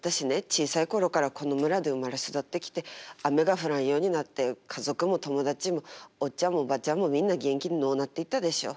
小さい頃からこの村で生まれ育ってきて雨が降らんようになって家族も友達もおっちゃんもおばちゃんもみんな元気のうなっていったでしょ。